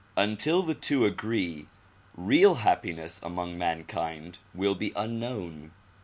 Until the two agree, real happiness among mankind will be unknown.